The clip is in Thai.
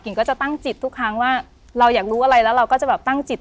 ก็จะตั้งจิตทุกครั้งว่าเราอยากรู้อะไรแล้วเราก็จะแบบตั้งจิต